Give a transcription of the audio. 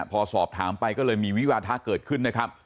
พอสอบถามไปก็เลยมีวิวาทะเกิดขึ้นนะครับ